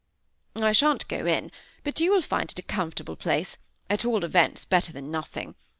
"I shan't go in but you will find it a comfortable place; at all events better than nothing.